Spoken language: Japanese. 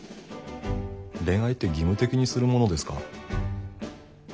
恋愛って義務的にするものですか？